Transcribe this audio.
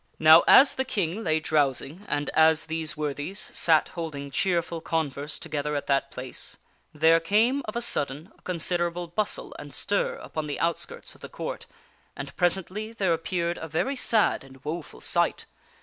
Now as the King lay drowsing and as these worthies sat holding cheerful converse together at that place, there came, of a sudden, a con siderable bustle and stir upon the outskirts of the Court, and presently there appeared a very sad and woful sight.